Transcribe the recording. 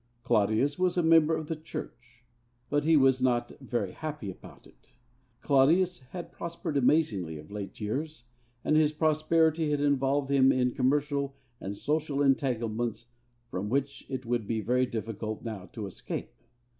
Claudius was a member of the Church; but he was not very happy about it. Claudius had prospered amazingly of late years, and his prosperity had involved him in commercial and social entanglements from which it would be very difficult now to escape.